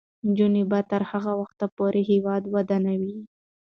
نجونې به تر هغه وخته پورې هیواد ودانوي.